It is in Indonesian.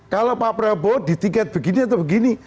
kalau pak prabowo ditingkat begini atau begini